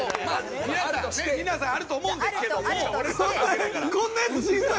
皆さんね皆さんあると思うんですけども。